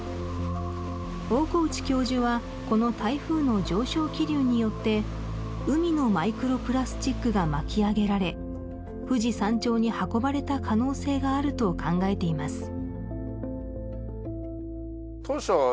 大河内教授はこの台風の上昇気流によって海のマイクロプラスチックが巻き上げられ富士山頂に運ばれた可能性があると考えています